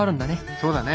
そうだね。